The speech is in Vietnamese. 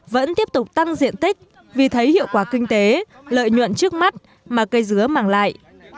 vẫn tiếp tục tăng diện tích vì thấy hiệu quả kinh tế lợi nhuận trước mắt mà cây dứa mang lại